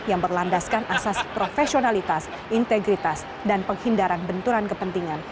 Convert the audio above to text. yang berlandaskan asas profesionalitas integritas dan penghindaran benturan kepentingan